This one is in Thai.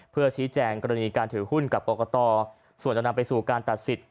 เพื่อชี้แจงกรณีการถือหุ้นกับกรกตส่วนจะนำไปสู่การตัดสิทธิ